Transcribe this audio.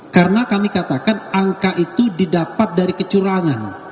karena kami katakan angka itu didapat dari kecurangan